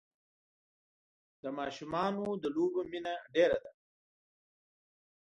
د ماشومان د لوبو مینه ډېره ده.